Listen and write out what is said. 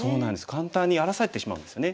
簡単に荒らされてしまうんですよね。